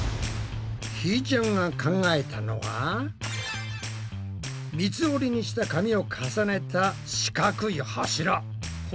ひーちゃんが考えたのは三つ折りにした紙を重ねた四角い柱。